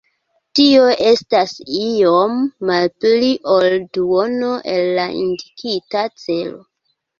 Tio estas iom malpli ol duono el la indikita celo.